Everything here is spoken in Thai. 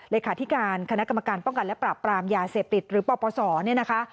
เลขาธิการคณะกรรมการป้องกันและปราบปรามยาเสพติดหรือปปศเนี่ยนะคะ